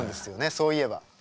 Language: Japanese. そういえば。